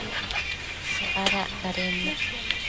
Adac cadennec